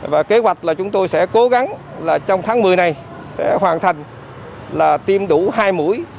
và kế hoạch là chúng tôi sẽ cố gắng là trong tháng một mươi này sẽ hoàn thành là tiêm đủ hai mũi